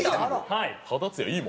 はい。